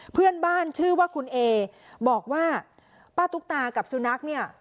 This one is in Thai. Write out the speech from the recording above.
เพื่อนบ้านชื่อว่าคุณเอบอกว่าป้าตุ๊กตากับสุนัขเนี่ย